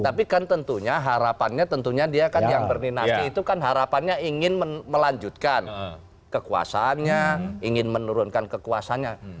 tapi kan tentunya harapannya tentunya dia kan yang berdinasti itu kan harapannya ingin melanjutkan kekuasaannya ingin menurunkan kekuasaannya